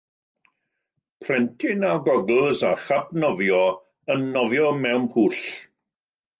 Plentyn â gogls a chap nofio yn nofio mewn pwll.